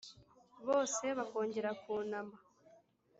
bose bakongera kunama,